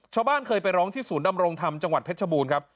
ชาวบ้านเคยไปร้องที่ศูนย์ดำรงธรรมจังหวัดเพชรบูรณ์ครับ